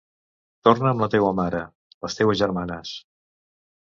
Torna amb la teua mare, les teues germanes.